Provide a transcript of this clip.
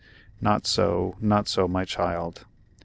"Not so, not so, my child."